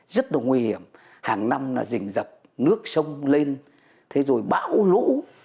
rất là nguy hiểm hàng năm là rình rập nước sông lên thế rồi bão lũ